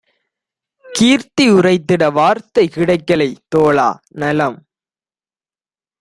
கீர்த்தி யுரைத்திட வார்த்தை கிடைக்கிலை தோழா - நலம்